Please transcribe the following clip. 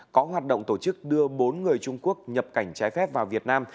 có hoạt động tổ chức đưa bốn người trung quốc nhập cảnh trái phép vào việt nam